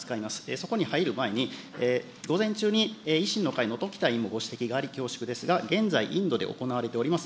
そこに入る前に、午前中に維新の会のときた委員のご指摘があり、恐縮ですが、現在インドで行われております